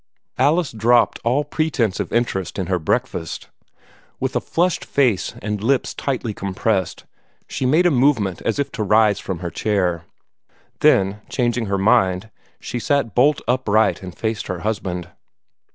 Alice dropped all pretence of interest in her breakfast. With a flushed face and lips tightly compressed, she made a movement as if to rise from her chair. Then, changing her mind, she sat bolt upright and faced her husband.